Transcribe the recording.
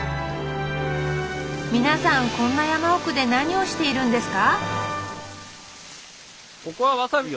皆さんこんな山奥で何をしているんですか？